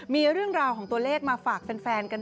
มีเรื่องราวของตัวเลขมาฝากแฟนกันด้วยครผู้ชม